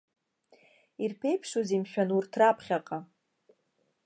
Ирԥеиԥшузеи, мшәан, урҭ раԥхьаҟа?